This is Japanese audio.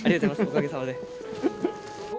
おかげさまで。